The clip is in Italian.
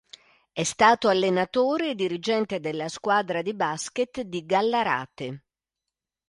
È stato allenatore e dirigente della squadra di basket di Gallarate.